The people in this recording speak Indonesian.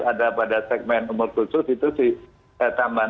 ada pada segmen umur khusus itu ditambahkan